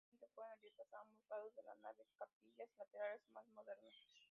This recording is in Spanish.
Más tardíamente, fueron abiertas a ambos lados de la nave capillas laterales más modernas.